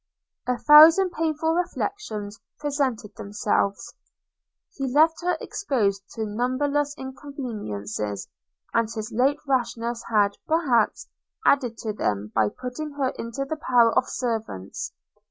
A thousand painful reflections presented themselves. He left her exposed to numberless inconveniences; and his late rashness had, perhaps, added to them by putting her into the power of servants.